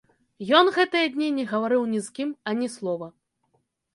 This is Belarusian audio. Ён гэтыя дні не гаварыў ні з кім ані слова.